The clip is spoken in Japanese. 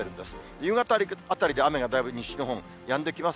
夕方あたりで雨がだいぶ西日本、やんできます